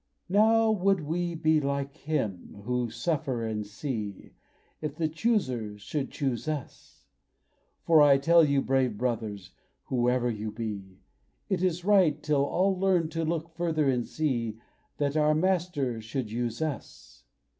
Now would we be like him, who suffer and see, If the Chooser should choose us! For I tell you, brave brothers, whoever you be, It is right, till all learn to look further, and see, That our Master should use us!